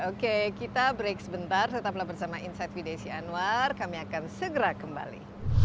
oke kita break sebentar tetaplah bersama insight with desi anwar kami akan segera kembali